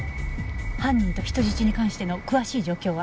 犯人と人質に関しての詳しい状況は？